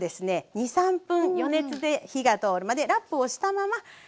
２３分余熱で火が通るまでラップをしたまま待ちましょう。